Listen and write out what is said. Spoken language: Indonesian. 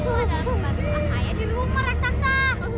aku ada di rumah saya di rumah raksasa